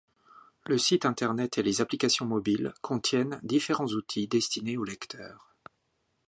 Le site internet et les applications mobiles contiennent différents outils destinés aux lecteurs.